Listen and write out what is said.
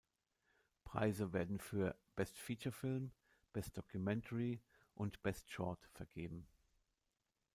Preise werden für „Best Feature Film“, „Best Documentary“ und „Best Short“ vergeben.